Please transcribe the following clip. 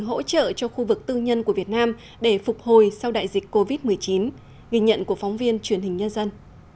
hỗ trợ cho khu vực tư nhân của việt nam để phục hồi sau đại dịch covid một mươi chín ghi nhận của phóng viên truyền hình nhân dân